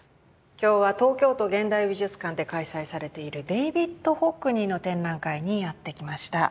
今日は東京都現代美術館で開催されているデイヴィッド・ホックニーの展覧会にやって来ました。